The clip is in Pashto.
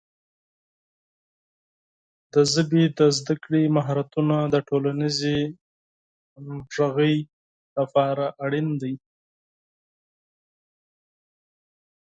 د ژبې د زده کړې مهارتونه د ټولنیزې همغږۍ لپاره اړین دي.